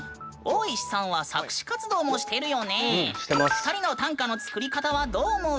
２人の短歌の作り方はどう思う？